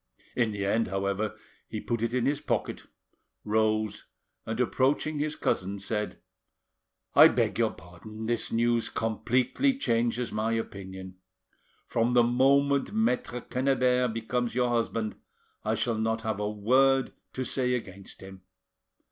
In the end, however, he put it in his pocket, rose, and approaching his cousin, said— "I beg your pardon, this news completely changes my opinion. From the moment Maitre Quennebert becomes your husband I shall not have a word to say against him.